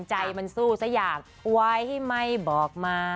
ใจมันสู้ซะอย่างไว้ให้ไม่บอกมา